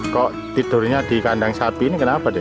kok tidurnya di kandang sapi ini kenapa deh